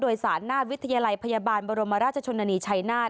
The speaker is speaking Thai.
โดยสาญาณวิทยาลัยพยาบาลบรมรรจชนนีศชายนาฏ